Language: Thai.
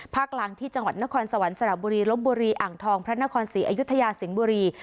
กลางที่จังหวัดนครสวรรค์สระบุรีลบบุรีอ่างทองพระนครศรีอยุธยาสิงห์บุรี